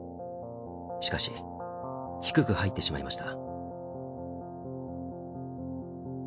しかし低く入ってしまいました。